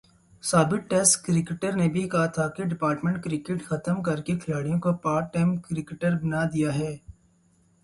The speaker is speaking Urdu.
سابق ٹیسٹ کرکٹر نے بھی کہا تھا کہ ڈپارٹمنٹ کرکٹ ختم کر کے کھلاڑیوں کو پارٹ ٹائم کرکٹر بنادیا ہے۔